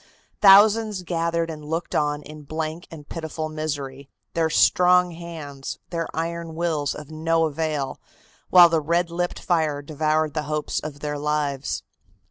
Thousands gathered and looked on in blank and pitiful misery, their strong hands, their iron wills of no avail, while the red lipped fire devoured the hopes of their lives.